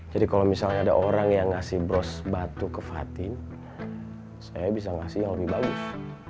jadi kalau misalnya ada orang yang ngasih bros batu ke patin saya bisa ngasih yang lebih bagus